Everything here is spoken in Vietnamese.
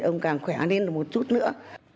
ông càng khỏe lên một chút nữa